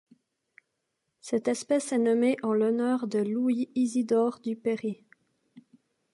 Cette espèce est nommée en l'honneur de Louis Isidore Duperrey.